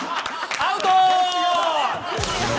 アウト？